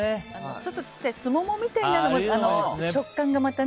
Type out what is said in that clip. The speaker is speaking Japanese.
ちょっとちっちゃいスモモみたいなのも食感がまたね。